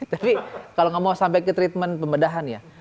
tapi kalau nggak mau sampai ke treatment pembedahan ya